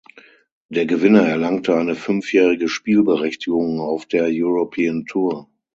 Der Gewinner erlangte eine fünfjährige Spielberechtigung auf der European Tour.